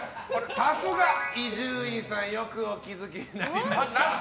さすが伊集院さんよくお気づきになりました。